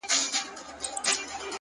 نظم ګډوډي کمزورې کوي.!